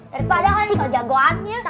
daripada kan sejagoannya